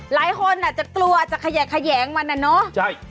หลายคนอาจจะกลัวจะแขยงมันนะเนาะ